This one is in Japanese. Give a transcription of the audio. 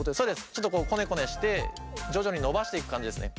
ちょっと、こねこねして徐々に伸ばしていく感じですね。